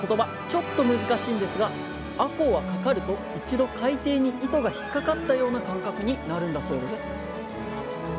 ちょっと難しいんですがあこうは掛かると一度海底に糸が引っかかったような感覚になるんだそうです